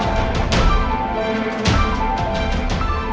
apa yang kamu inginkan siapa itu